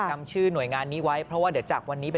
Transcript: จำชื่อหน่วยงานนี้ไว้เพราะว่าเดี๋ยวจากวันนี้ไป